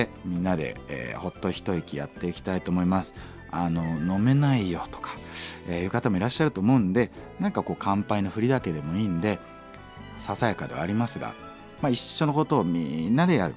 あの飲めないよとかいう方もいらっしゃると思うんで何か乾杯のふりだけでもいいんでささやかではありますが一緒のことをみんなでやる。